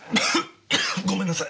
ごめんなさい。